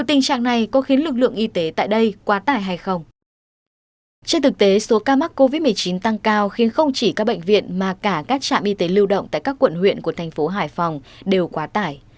trên thực tế số ca mắc covid một mươi chín tăng cao khiến không chỉ các bệnh viện mà cả các trạm y tế lưu động tại các quận huyện của thành phố hải phòng đều quá tải